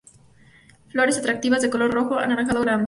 Flores, atractivas de color rojo anaranjado grande.